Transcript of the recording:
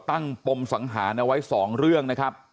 แต่มีสองเรื่องนะครับ